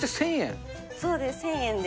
そうです、１０００円で。